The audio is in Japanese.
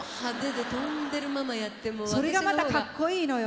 それがまたかっこいいのよ。